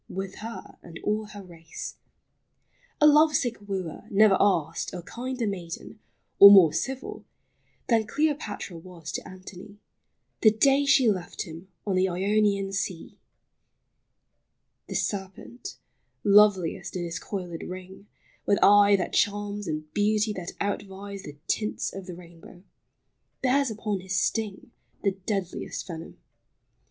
267 With her and all her race. A lovesick wooer Ne'er asked a kinder maiden, or more civil, Than Cleopatra was to Antony The day she left him on the Ionian sea. The serpent — loveliest in his coiled ring, With eye that charms, and beauty that outvies The tints of the rainbow — bears upon his sting The deadliest venom.